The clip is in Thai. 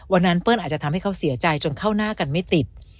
เปิ้ลอาจจะทำให้เขาเสียใจจนเข้าหน้ากันไม่ติด